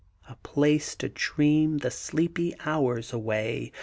A place to dream the sleepy hours away!